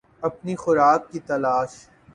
اپنی خوراک کی تلاش